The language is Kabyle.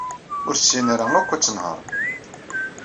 Ur tessin ara akk ad tenheṛ.